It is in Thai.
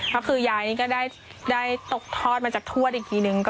แล้วคือยายก็ได้ตกทอดมาจากถวดอีกนิดนึง